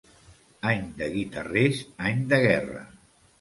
Any de guitarrers, any de guerra.